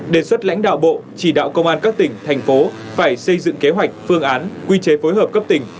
đề xuất lãnh đạo bộ chỉ đạo công an các tỉnh thành phố phải xây dựng kế hoạch phương án quy chế phối hợp cấp tỉnh